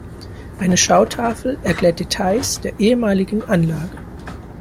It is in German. Eine Schautafel erklärt Details der ehemaligen Anlage.